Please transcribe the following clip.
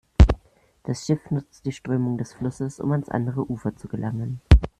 Das Schiff nutzt die Strömung des Flusses, um ans andere Ufer zu gelangen.